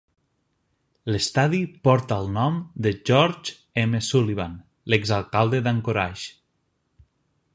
L'estadi porta el nom de George M. Sullivan, l'exalcalde d'Anchorage.